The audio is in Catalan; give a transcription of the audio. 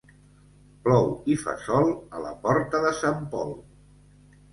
Plou i fa sol a la porta de sant Pol.